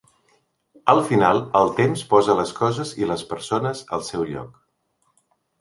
Al final, el temps posa les coses –i les persones– al seu lloc.